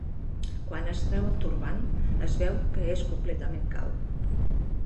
Quan es treu el turbant, es veu que és completament calb.